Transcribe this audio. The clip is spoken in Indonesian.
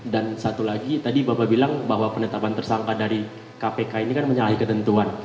dan satu lagi tadi bapak bilang bahwa penetapan tersangka dari kpk ini kan menyalahi ketentuan